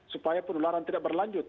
supaya penularan tidak berlanjut